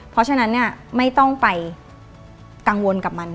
เพราะฉะนั้นเนี่ยไม่ต้องไปกังวลกับมัน